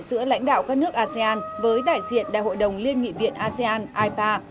giữa lãnh đạo các nước asean với đại diện đại hội đồng liên nghị viện asean ipa